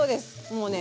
もうね